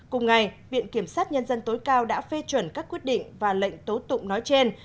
cùng ngày viện kiểm sát nhân dân tối cao đã phê chuẩn các quyết định và lệnh tố tụng nói trên